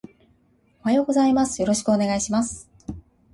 おはようございます。よろしくお願いします